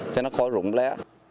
cho nó khó rụng lẽ